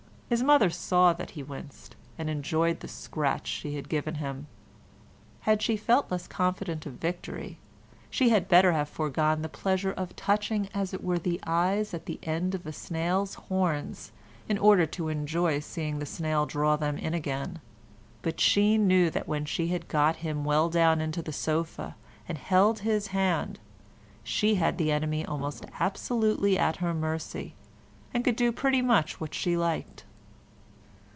His mother saw that he winced, and enjoyed the scratch she had given him. Had she felt less confident of victory she had better have foregone the pleasure of touching as it were the eyes at the end of the snail's horns in order to enjoy seeing the snail draw them in again—but she knew that when she had got him well down into the sofa, and held his hand, she had the enemy almost absolutely at her mercy, and could do pretty much what she liked.